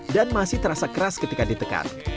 dan masih terasa keras ketika ditekan